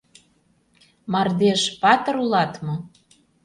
— Мардеж, патыр улат мо?